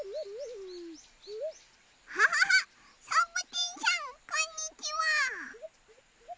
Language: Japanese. キャハハサボテンさんこんにちは。